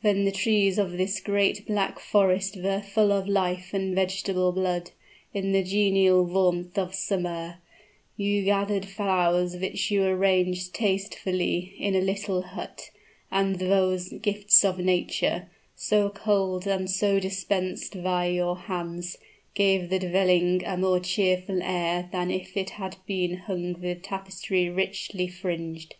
When the trees of this great Black Forest were full of life and vegetable blood, in the genial warmth of summer, you gathered flowers which you arranged tastefully in the little hut; and those gifts of nature, so culled and so dispensed by your hands, gave the dwelling a more cheerful air than if it had been hung with tapestry richly fringed.